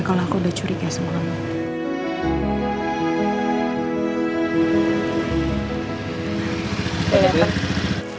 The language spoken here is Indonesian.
kalau aku udah curiga sama kamu